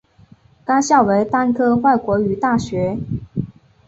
该校为单科外国语大学。